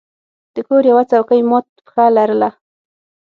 د کور یوه څوکۍ مات پښه لرله.